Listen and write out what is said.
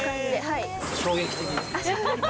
衝撃的。